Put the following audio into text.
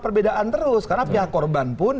perbedaan terus karena pihak korban pun